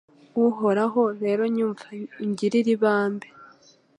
Uhoraho rero nyumva ungirire ibambe